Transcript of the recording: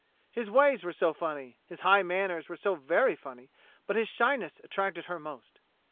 His ways were so funny, his high manners were so very funny, but his shyness attracted her most.